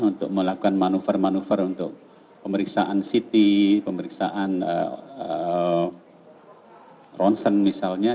untuk melakukan manuver manuver untuk pemeriksaan ct pemeriksaan ronsen misalnya